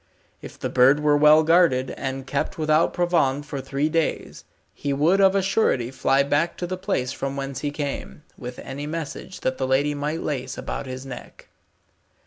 If the bird were well guarded, and kept without provand for three days, he would of a surety fly back to the place from whence he came, with any message that the lady might lace about his neck.